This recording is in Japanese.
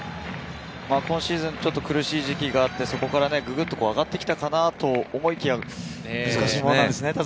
今シーズン苦しい時期があって、そこからググっと上がってきたかなと思いきや、難しいものですね。